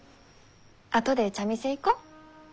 あとで茶店行こう。